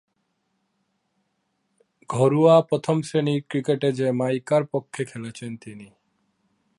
ঘরোয়া প্রথম-শ্রেণীর ক্রিকেটে জ্যামাইকার পক্ষে খেলেছেন তিনি।